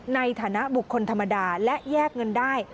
ในฐานะบุคคลธรรมดาและแยกเงินได้